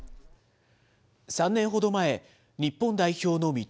３年ほど前、日本代表の三笘